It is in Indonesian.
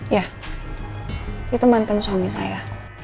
ya itu mantan suami saya